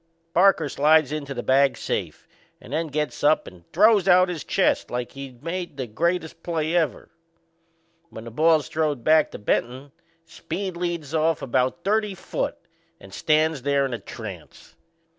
Parker slides into the bag safe and then gets up and throws out his chest like he'd made the greatest play ever. When the ball's throwed back to Benton, Speed leads off about thirty foot and stands there in a trance.